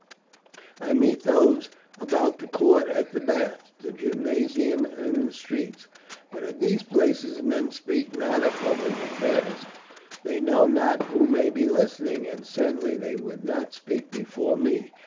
I meet those about the court at the baths, the gymnasium, and in the streets. But at these places men speak not of public affairs, they know not who may be listening; and certainly they would not speak before me.